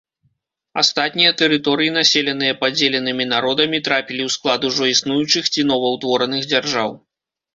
Астатнія тэрыторыі, населеныя падзеленымі народамі, трапілі ў склад ужо існуючых ці новаўтвораных дзяржаў.